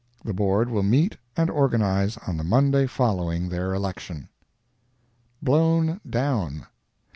The Board will meet and organize on the Monday following their election. BLOWN DOWN.